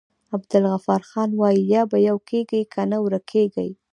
عبدالغفارخان وايي: یا به يو کيږي که نه ورکيږی.